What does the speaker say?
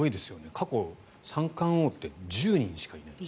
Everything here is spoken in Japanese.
過去、三冠王って１０人しかいない。